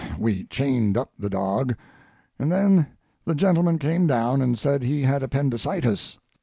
We chained up the dog, and then the gentleman came down and said he had appendicitis.